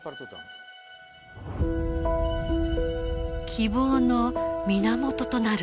希望の源となる塔。